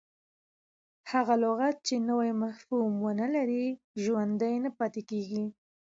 هغه لغت، چي نوی مفهوم و نه لري، ژوندی نه پاته کیږي.